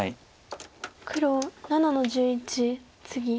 黒７の十一ツギ。